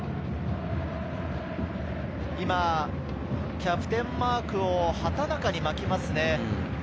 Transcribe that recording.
キャプテンマークを畠中に巻ますね。